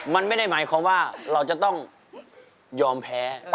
มันไม่ได้หมายความว่าเราจะต้องยอมแพ้